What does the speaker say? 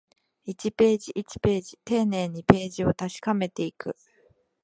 一ページ、一ページ、丁寧にページを確かめていく